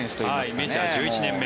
メジャー１１年目。